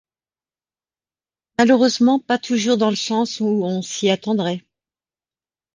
Malheureusement pas toujours dans le sens où on s'y attendrait.